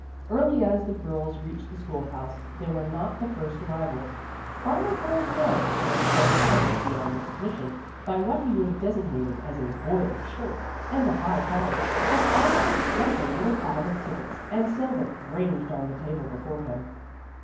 Early as the girls reached the schoolhouse, they were not the first arrivals. Farmer Cole's Joe, transformed almost beyond recognition, by what he would have designated as a "boiled shirt" and a high collar, had already quite a little pile of tickets and silver ranged on the table before him.